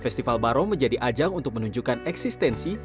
festival barong menjadi ajang untuk menunjukkan eksistensi